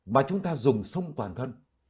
mà chúng ta dùng sông toàn thân